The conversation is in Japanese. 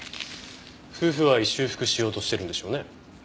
夫婦愛修復しようとしてるんでしょうね。